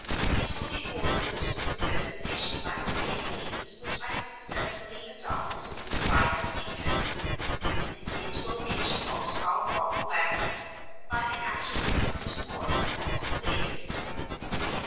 It will be forwarded to its destination by the same means which I successfully adopted to mystify Mr. Pendril; and it will reach Vauxhall Walk, Lambeth, by the afternoon of to morrow at the latest.